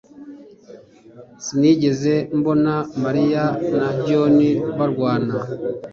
Sinigeze mbona mariya na John barwana